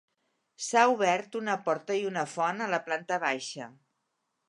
S'ha obert una porta i una font a la planta baixa.